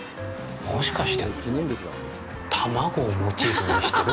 もしかして卵をモチーフにしてる？